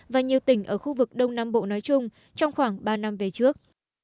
và nhiều tỉnh ở khu vực đông nam bộ nói chung trong khoảng ba năm về trước